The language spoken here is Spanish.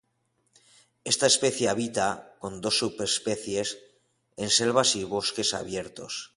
Esta especie habita, con dos subespecies, en selvas y bosques abiertos.